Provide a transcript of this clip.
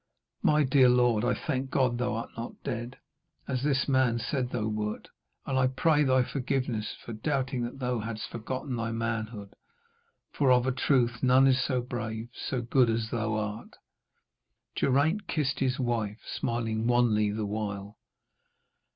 'My dear lord, I thank God thou art not dead, as this man said thou wert. And I pray thy forgiveness for doubting that thou hadst forgotten thy manhood, for of a truth none is so brave, so good as thou art.' Geraint kissed his wife, smiling wanly the while.